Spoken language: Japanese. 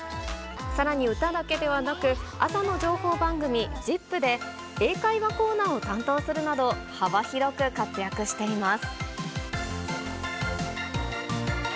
さらに歌だけではなく、朝の情報番組、ＺＩＰ！で英会話コーナーを担当するなど、幅広く活躍しています。